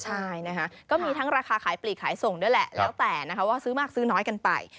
ใช่นะคะก็มีทั้งราคาขายปลีกขายส่งด้วยแหละแล้วแต่นะคะว่าซื้อมากซื้อน้อยกันไป